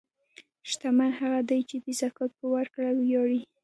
شتمن هغه دی چې د زکات په ورکړه ویاړي.